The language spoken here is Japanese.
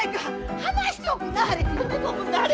離しておくんなはれ！